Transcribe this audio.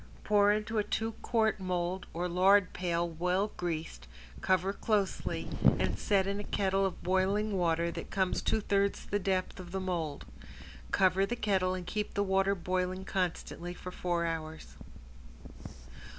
Pour into a two quart mold or lard pail well greased, cover closely and set in a kettle of boiling water that comes two thirds the depth of the mold. Cover the kettle and keep the water boiling constantly for four hours.